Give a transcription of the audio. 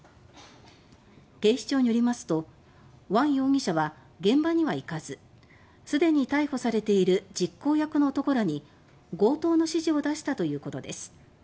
警視庁によりますとワン容疑者は現場には行かず既に逮捕されている実行役の男らに強盗の指示を出したということです。